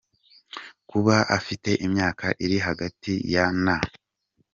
Kuba afite imyaka iri hagati ya na ;.